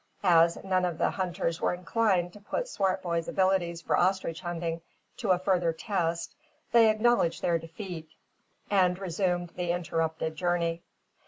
As none of the hunters were inclined to put Swartboy's abilities for ostrich hunting to a further test they acknowledged their defeat and resumed the interrupted journey.